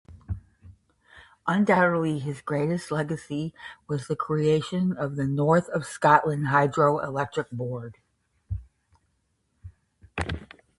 Undoubtedly his greatest legacy was the creation of the North of Scotland Hydro-Electric Board.